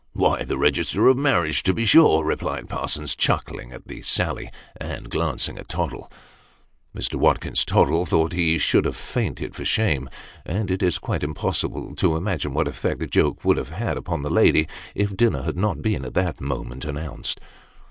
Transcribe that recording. "Why, the register of marriages, to be sure," replied Parsons, chuckling at the sally, and glancing at Tottle. Mr. Watkins Tottle Miss Liller ton. 333 thought he should have fainted for shame, and it is quite impossible to imagine what effect the joke would have had upon the lady, if dinner had not been, at that moment, announced.